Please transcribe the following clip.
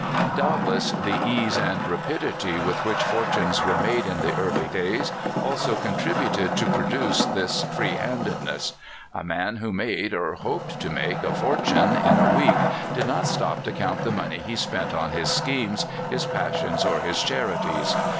Doubtless the ease and rapidity with which fortunes were made in the early days also contributed to produce this free handedness. A man wdio made, or hoped to make, a fortune in a week, did not stop to count the money he spent on his schemes, his passions, or his charities.